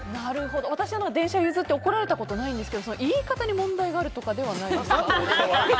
私は電車を譲って怒られたことはないんですが言い方に問題があるとかではないんですか？